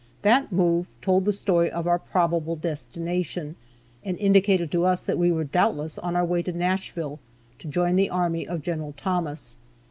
That move told the story of our probable destination, and indicated to us that we were doubtless on our way to Nashville to join the army of Gen. Thomas.